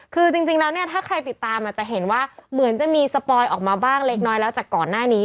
คือจริงแล้วเนี่ยถ้าใครติดตามจะเห็นว่าเหมือนจะมีสปอยออกมาบ้างเล็กน้อยแล้วจากก่อนหน้านี้